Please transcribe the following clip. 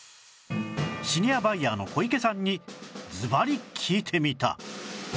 シニアバイヤーの小池さんにずばり聞いてみた